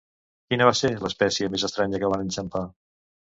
Quina va ser l'espècie més estranya que van enxampar?